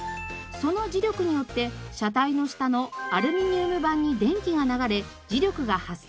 その磁力によって車体の下のアルミニウム板に電気が流れ磁力が発生。